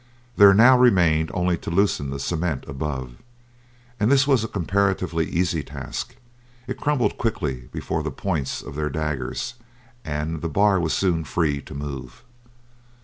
There now remained only to loosen the cement above, and this was a comparatively easy task; it crumbled quickly before the points of their daggers, and the bar was soon free to move.